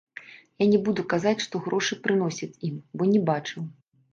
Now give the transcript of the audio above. Я не буду казаць, што грошы прыносяць ім, бо не бачыў.